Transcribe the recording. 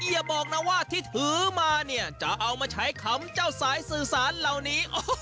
อย่าบอกนะว่าที่ถือมาเนี่ยจะเอามาใช้ขำเจ้าสายสื่อสารเหล่านี้